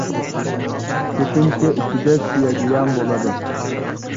Ko‘pincha ichida suyagiyam bo‘ladi.